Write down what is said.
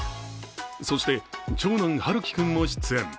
そして、長男・陽喜君も出演。